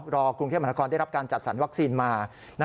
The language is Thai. รอกรุงเทพมหังละกอลได้รับการจัดสรรค์วัคซีนมา